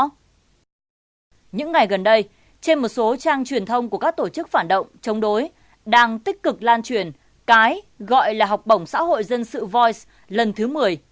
những ngày gần đây trên một số trang truyền thông của các tổ chức phản động chống đối đang tích cực lan truyền cái gọi là học bổng xã hội dân sự voice lần thứ một mươi